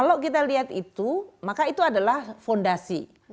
kalau kita lihat itu maka itu adalah fondasi